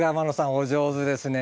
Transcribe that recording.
お上手ですね。